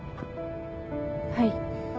はい。